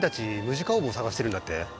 ムジカオーブを捜してるんだって？